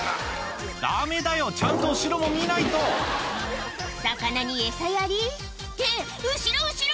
ダメだよちゃんと後ろも見ないと魚にエサやり？って後ろ後ろ！